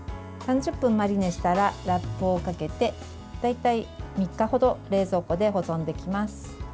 ３０分マリネしたらラップをかけて、大体３日ほど冷蔵庫で保存できます。